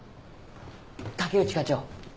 竹内課長。